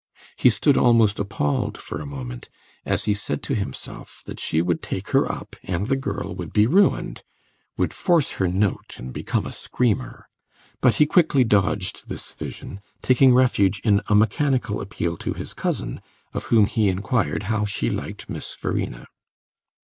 He stood almost appalled for a moment, as he said to himself that she would take her up and the girl would be ruined, would force her note and become a screamer. But he quickly dodged this vision, taking refuge in a mechanical appeal to his cousin, of whom he inquired how she liked Miss Verena.